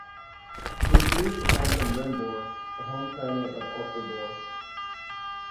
He appears to come from Rimbor, the home planet of Ultra Boy.